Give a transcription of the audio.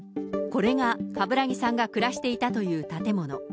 これが、冠木さんが暮らしていたという建物。